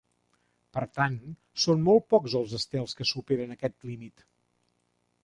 Per tant, són molt pocs els estels que superen aquest límit.